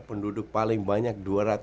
penduduk paling banyak